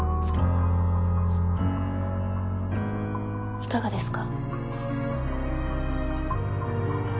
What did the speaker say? いかがですか？